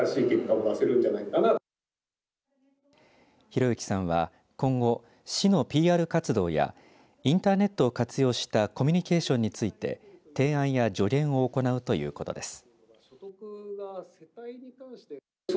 ひろゆきさんは今後市のＰＲ活動やインターネットを活用したコミュニケーションについて提案や助言を行うということです。